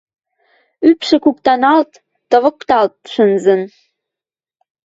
Ӱпшӹ куктаналт, тавыкалт шӹнзӹн.